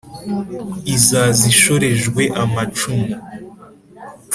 izaza ishorejwe amacumu